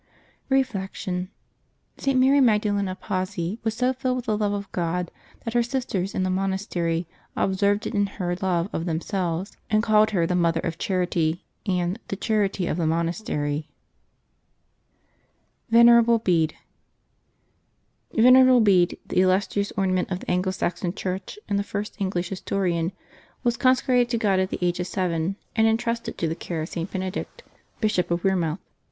Reflection. — St. Mary Magdalen of Pazzi was so filled with the love of God that her sisters in the monastery observed it in her love of themselves, and called her " the Mother of Charity " and " the Charity of the Monastery." VENERABLE BEDE. VENERABLE Bede, the illustrious ornament of the Anglo Saxon Church and the first English historian, was consecrated to God at the age of seven, and intrusted to the care of St. Benedict Biscop at Wearmouth.